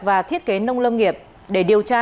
và thiết kế nông lâm nghiệp để điều tra